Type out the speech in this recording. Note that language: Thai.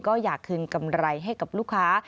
ก็อยากคืนกำไรให้กับลูกค้า